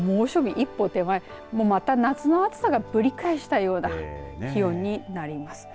猛暑日一歩手前また夏の暑さがぶり返したような気温になります。